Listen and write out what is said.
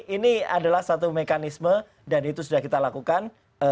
ini adalah satu mekanisme dan itu sudah kita lakukan